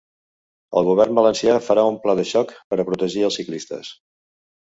El govern valencià farà un pla de xoc per a protegir els ciclistes.